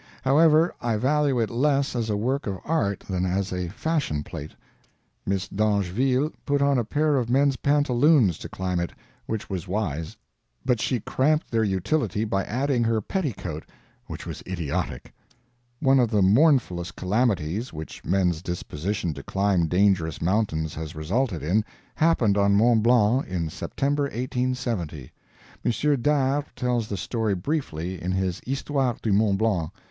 However, I value it less as a work of art than as a fashion plate. Miss d'Angeville put on a pair of men's pantaloons to climb it, which was wise; but she cramped their utility by adding her petticoat, which was idiotic. One of the mournfulest calamities which men's disposition to climb dangerous mountains has resulted in, happened on Mont Blanc in September 1870. M. D'Arve tells the story briefly in his HISTOIRE DU MONT BLANC.